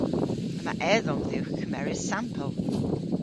Yma edhom dhywgh kemeres sampel.